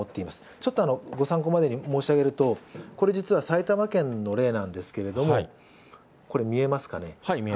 ちょっとご参考までに申し上げると、これ実は埼玉県の例なんですけれども、これ、見えますかね。